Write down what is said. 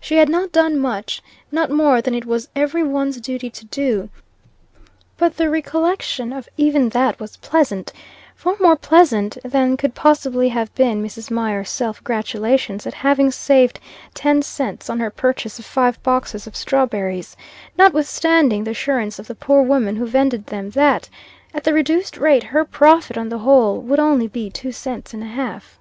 She had not done much not more than it was every one's duty to do; but the recollection of even that was pleasant, far more pleasant than could possibly have been Mrs. Mier's self gratulations at having saved ten cents on her purchase of five boxes of strawberries, notwithstanding the assurance of the poor woman who vended them, that, at the reduced rate, her profit on the whole would only be two cents and a half.